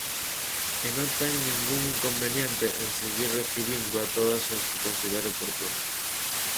E non ten ningún inconveniente en seguir recibíndoa todas as que considere oportunas.